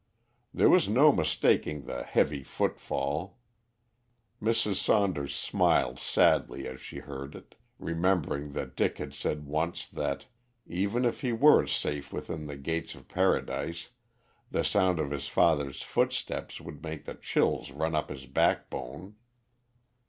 There was no mistaking the heavy footfall. Mrs. Saunders smiled sadly as she heard it, remembering that Dick had said once that, even if he were safe within the gates of Paradise, the sound of his father's footsteps would make the chills run up his backbone.